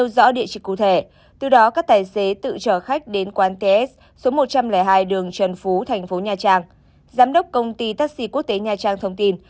giám đốc công ty taxi quốc tế nha trang thông tin